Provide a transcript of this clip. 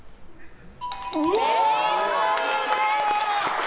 正解です！